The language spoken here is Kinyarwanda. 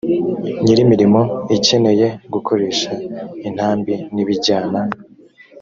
nyir imirimo ikeneye gukoresha intambi n ibijyana